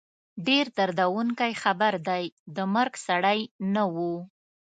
ډېر دردوونکی خبر دی، د مرګ سړی نه وو